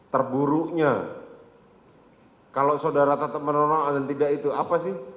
terburuknya kalau saudara tetap menolong dan tidak itu apa sih